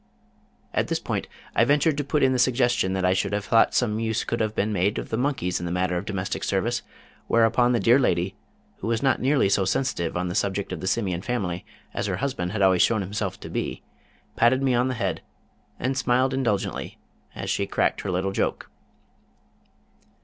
At this point I ventured to put in the suggestion that I should have thought some use could have been made of the monkeys in the matter of Domestic Service, whereupon the dear lady, who was not nearly so sensitive on the subject of the Simian family as her husband had always shown himself to be, patted me on the head, and smiled indulgently, as she cracked her little joke.